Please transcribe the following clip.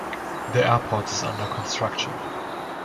The airport is under construction.